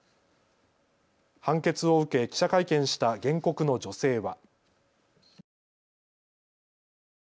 判決を受け記者会見した原告の女性は。